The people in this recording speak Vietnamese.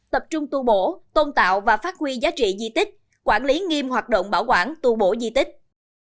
tập trung tu bổ tôn tạo và phát huy giá trị di tích quản lý nghiêm hoạt động bảo quản tu bổ di tích